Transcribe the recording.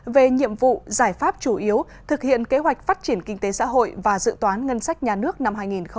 về nhiệm vụ giải pháp chủ yếu thực hiện kế hoạch phát triển kinh tế xã hội và dự toán ngân sách nhà nước năm hai nghìn hai mươi